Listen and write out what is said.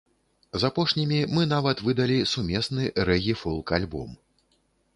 З апошнімі мы нават выдалі сумесны рэгі-фолк-альбом.